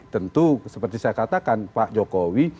tentu seperti saya katakan pak jokowi